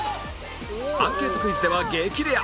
アンケートクイズでは激レア！